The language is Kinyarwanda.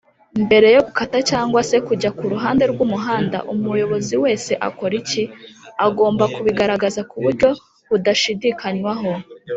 mbere yo gukata cg se kujya kuruhande rw’umuhanda umuyobozi wese akora iki?agomba kubigaragaza kuburyo budashidikanywaho